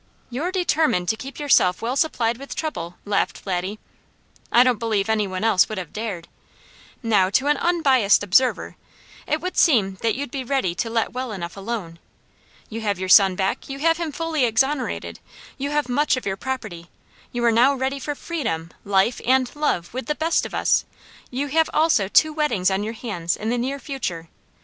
"You're determined to keep yourself well supplied with trouble," laughed Laddie. I don't believe any one else would have dared. "Now to an unbiased observer, it would seem that you'd be ready to let well enough alone. You have your son back, you have him fully exonerated, you have much of your property, you are now ready for freedom, life, and love, with the best of us; you have also two weddings on your hands in the near future.